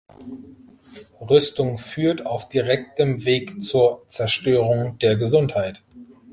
Rüstung führt auf direktem Weg zur Zerstörung der Gesundheit.